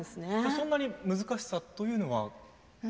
そんなに難しさというのは？